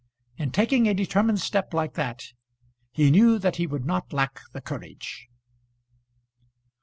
In taking a determined step like that, he knew that he would not lack the courage.